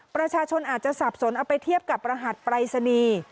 ประชาชนอาจจะสับสนเอาไปเทียบกับรหัสปรายศนีย์